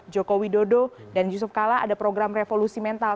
joko widodo dan yusuf kala ada program revolusi mental